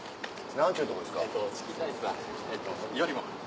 何ちゅうとこですか？